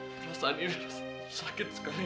perasaan ini sakit sekali